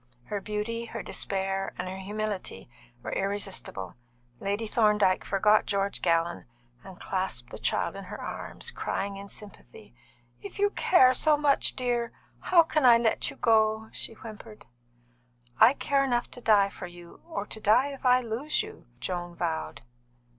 Her beauty, her despair, and her humility were irresistible. Lady Thorndyke forgot George Gallon and clasped the child in her arms, crying in sympathy. "If you care so much, dear, how can I let you go?" she whimpered. "I care enough to die for you, or to die if I lose you!" Joan vowed.